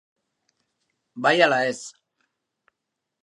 Bai ala ez.